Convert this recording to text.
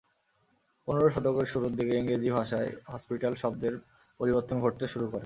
পনেরো শতকের শুরুর দিকে ইংরেজি ভাষায় হসপিটাল শব্দের পরিবর্তন ঘটতে শুরু করে।